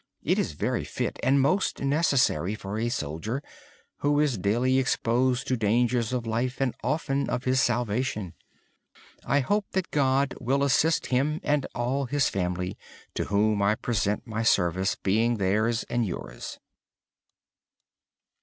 It is very fit and most necessary for a soldier, who is daily faced with danger to his life, and often to his very salvation. I hope that God will assist him and all the family, to whom I present my service, being theirs and yours.